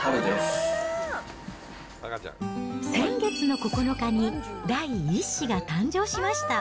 先月の９日に第１子が誕生しました。